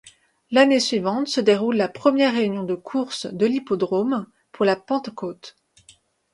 L'année suivante se déroule la première réunion de course de l'hippodrome, pour la Pentecôte.